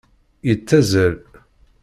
Yettazal.